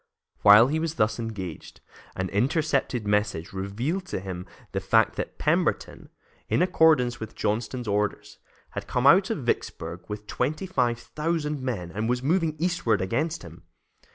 While he was thus engaged, an intercepted message revealed to him the fact that Pemberton, in accordance with Johnston's orders, had come out of Vicksburg with twenty five thousand men, and was moving eastward against him.